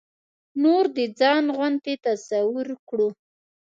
نور د ځان غوندې تصور کړو.